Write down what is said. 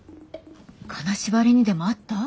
金縛りにでも遭った？